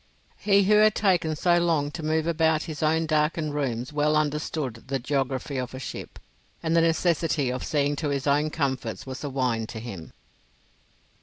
He who had taken so long to move about his own darkened rooms well understood the geography of a ship, and the necessity of seeing to his own comforts was as wine to him.